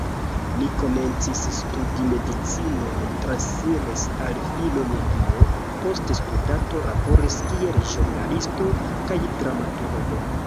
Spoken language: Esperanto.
Li komencis studi medicinon, transiris al filologio, post studado laboris kiel ĵurnalisto kaj dramaturgo.